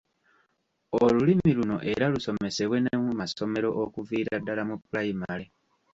Olulimi luno era lusomesebwemu ne mu masomero okuviira ddala mu pulayimale.